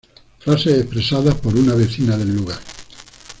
Frases expresadas por una vecina del lugar.